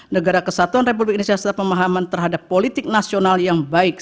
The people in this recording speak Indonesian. negara kesatuan republik indonesia serta pemahaman terhadap politik nasional yang baik